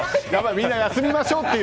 みんな休みましょうという